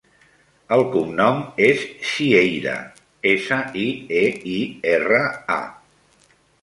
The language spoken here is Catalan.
El cognom és Sieira: essa, i, e, i, erra, a.